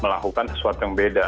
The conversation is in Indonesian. melakukan sesuatu yang beda